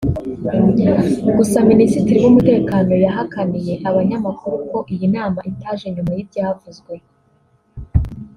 Gusa Minisitiri w’Umutekano yahakaniye abanyamakuru ko iyi nama itaje nyuma y’ibyavuzwe